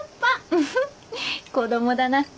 フフッ子供だな。